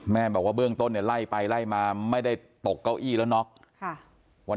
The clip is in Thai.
แม่บอกว่าเบื้องต้นไล่ไปไล่มาไม่ได้ตกเก้าอี้แล้วเนาะวัน